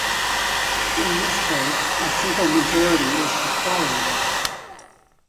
In this case, a simple majority is required.